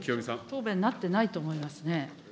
答弁になってないと思いますね。